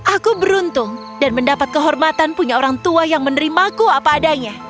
aku beruntung dan mendapat kehormatan punya orang tua yang menerimaku apa adanya